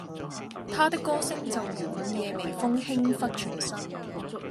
他的歌聲就如午夜微風輕拂全身